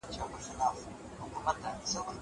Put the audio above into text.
زه اوږده وخت کتابونه لولم وم.